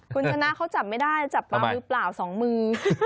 คุณชนะเขาจับไม่ได้จับปลามือเปล่าสองมือ